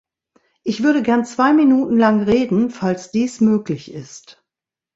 Ich würde gern zwei Minuten lang reden, falls dies möglich ist.